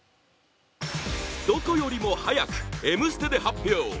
どこよりも早く「Ｍステ」で発表